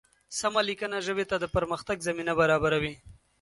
سمه لیکنه ژبې ته د پرمختګ زمینه برابروي.